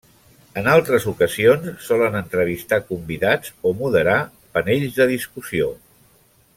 En altres ocasions, solen entrevistar convidats o moderar panells de discussió.